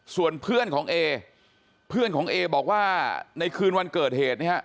ส่วนเพื่อนของเอเพื่อนของเอบอกว่าในคืนวันเกิดเหตุเนี่ยฮะ